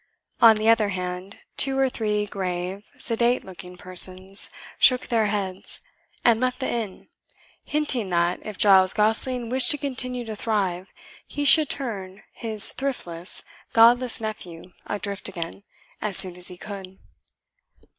On the other hand, two or three grave, sedate looking persons shook their heads, and left the inn, hinting that, if Giles Gosling wished to continue to thrive, he should turn his thriftless, godless nephew adrift again, as soon as he could.